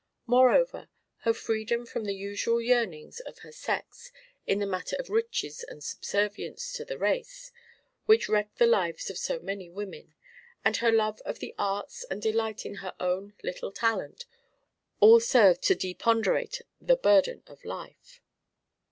Moreover, her freedom from the usual yearnings of her sex in the matter of riches and subservience to the race, which wreck the lives of so many women, and her love of the arts and delight in her own little talent, all served to deponderate the burden of life.